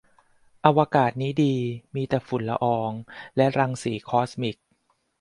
อวกาศนี้ดี มีแต่ฝุ่นละออง และรังสีคอสมิก